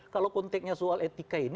kalau konteknya soal etika ini